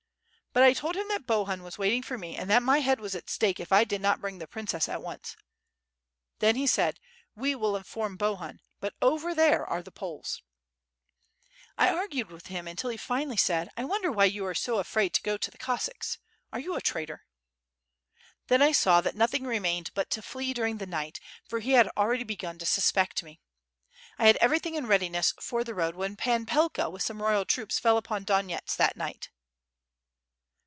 but I told him that Bohun was waiting for me and that my head was at stake if I did not bring the princess a»: once. Then he said: *we will inform Bohun, but ()V( r there are the Poles.' 1 argued with him until he finally said *i wonder why you are so afraid to go to the Cossacks are you a traitor?' Then I saw that nothing remained but to flee during the night, for he had already begun to suspect me. I had everything in readiness for the road when Pan Pelka with some royal troops, fell upon Donyets that night."